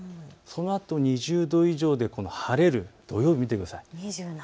そのあと２０度以上で晴れる土曜日を見てください。